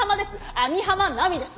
網浜奈美です。